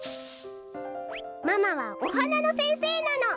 ママはおはなのせんせいなの。